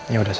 ya udah sam